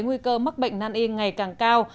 nguy cơ mắc bệnh năn yên ngày càng cao